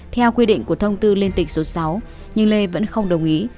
theo quy định của thông tư liên tịch số sáu nhưng lê vẫn không đồng ý